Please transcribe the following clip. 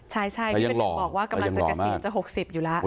ใช่พี่เป็นหนึ่งบอกว่ากำลังจะกระสิงจะ๖๐อยู่แล้ว